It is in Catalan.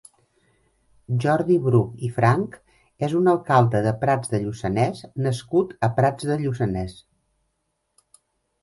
Jordi Bruch i Franch és un alcalde de Prats de Lluçanès nascut a Prats de Lluçanès.